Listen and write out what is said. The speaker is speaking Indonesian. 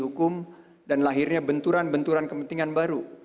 hukum dan lahirnya benturan benturan kepentingan baru